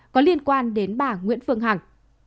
có liên quan đến bà nguyễn phương hằng